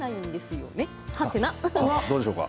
どうでしょうか。